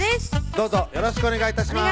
どうぞよろしくお願い致します